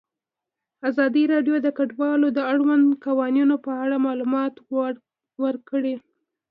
ازادي راډیو د کډوال د اړونده قوانینو په اړه معلومات ورکړي.